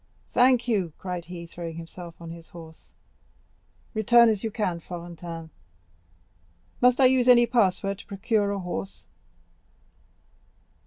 "Thank you!" cried he, throwing himself on his horse. "Return as soon as you can, Florentin. Must I use any password to procure a horse?"